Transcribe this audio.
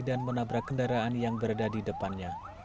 dan menabrak kendaraan yang berada di depannya